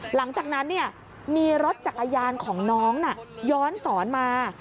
หลังจากนั้นมีรถจักรยานของน้องย้อนสอนมา